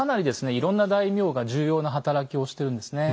いろんな大名が重要な働きをしてるんですね。